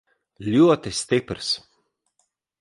Ļoti stiprs.